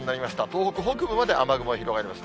東北北部まで雨雲が広がります。